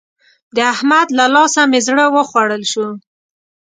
د احمد له لاسه مې زړه وخوړل شو.